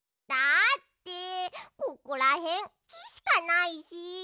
だってここらへんきしかないし。